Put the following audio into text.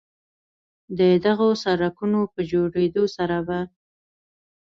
د دغو سړکونو په جوړېدو سره به